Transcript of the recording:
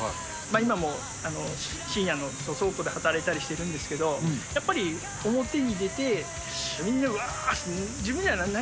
今も深夜の倉庫で働いたりしてるんですけど、やっぱり表に出て、みんなうわーって、自分では何？